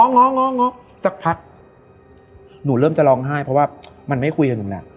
ง้อง้อง้อง้อสักพักหนูเริ่มจะร้องไห้เพราะว่ามันไม่คุยกันหนึ่งแหละ